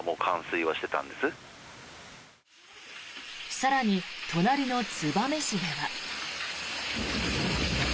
更に、隣の燕市では。